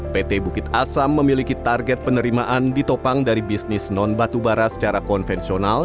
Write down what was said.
pt bukit asam memiliki target penerimaan ditopang dari bisnis non batubara secara konvensional